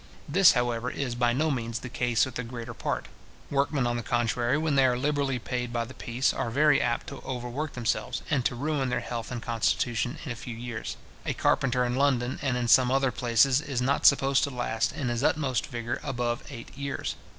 This, however, is by no means the case with the greater part. Workmen, on the contrary, when they are liberally paid by the piece, are very apt to overwork themselves, and to ruin their health and constitution in a few years. A carpenter in London, and in some other places, is not supposed to last in his utmost vigour above eight years.